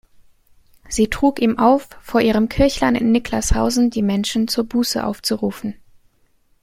Sie trug ihm auf, vor ihrem Kirchlein in Niklashausen die Menschen zur Buße aufzurufen.